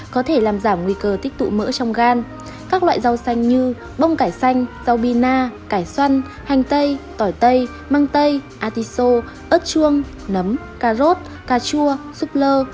các loại rau xanh như bông cải xanh rau bina cải xoăn hành tây tỏi tây măng tây artiso ớt chuông nấm cà rốt cà chua súp lơ